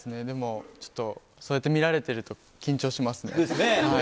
でも、ちょっと、そうやって見られてると緊張しますね。ですね。